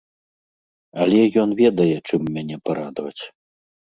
Але ён ведае, чым мяне парадаваць.